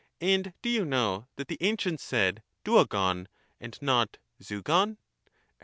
And do you know that the ancients said dvoyov and not ^vyov? Her.